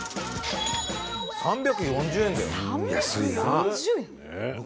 ３４０円だよ。